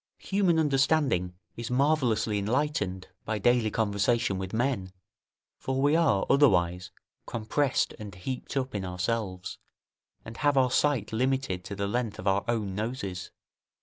Human understanding is marvellously enlightened by daily conversation with men, for we are, otherwise, compressed and heaped up in ourselves, and have our sight limited to the length of our own noses.